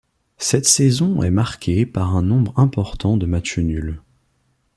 Cette saison est marquée par un nombre important de matchs nuls.